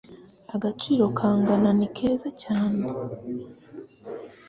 Agaciro kangana ni keza cyane.